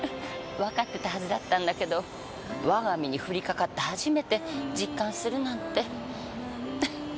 わかってたはずだったんだけど我が身に降りかかって初めて実感するなんて。